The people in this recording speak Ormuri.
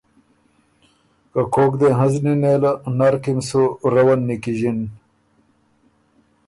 که کوک دې هنزنی نېله، نر کی م سُو روّن نیکیݫِن